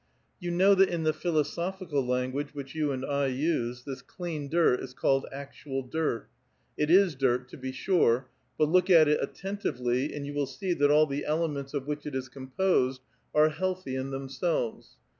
You know that in the philosophical language which yon and I use, this clean dirt is called actual dirt. It is dirt, to be sure ; but look at it attentivelv and vou will see that all the elements of which it is composed are healthy in themselves.